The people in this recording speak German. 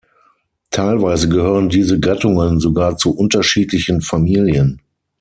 Teilweise gehören diese Gattungen sogar zu unterschiedlichen Familien.